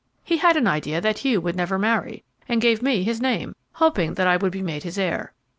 He had an idea that Hugh would never marry, and gave me his name, hoping that I would be made his heir.